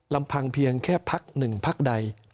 ลำพังเพียงแค่พักหนึ่งพักใด